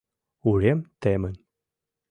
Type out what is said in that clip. Урем темын.